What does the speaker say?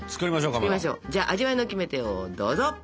じゃあ味わいのキメテをどうぞ！